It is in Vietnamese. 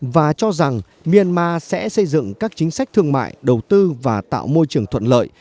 và cho rằng myanmar sẽ xây dựng các chính sách thương mại đầu tư và tạo môi trường thuận lợi